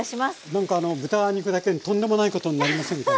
何かあの豚肉だけにトンでもないことになりませんか？